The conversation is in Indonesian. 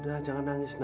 orang kedua gitu ini